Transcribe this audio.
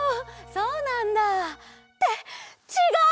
そうなんだ。ってちがう！